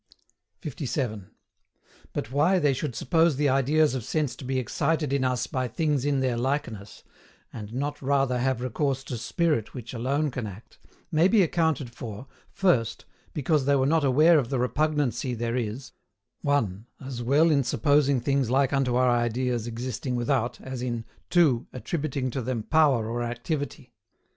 57. BUT WHY THEY SHOULD SUPPOSE THE IDEAS OF SENSE TO BE EXCITED IN US BY THINGS IN THEIR LIKENESS, and not rather have recourse to SPIRIT which alone can act, may be accounted for, FIRST, because they were not aware of the repugnancy there is, (1) as well in supposing things like unto our ideas existing without, as in (2) attributing to them POWER OR ACTIVITY.